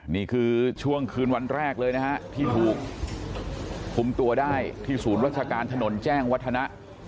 นี่คือช่วงคืนวันแรกเลยนะฮะที่ถูกคุมตัวได้ที่ศูนย์รัชการถนนแจ้งวัฒนะ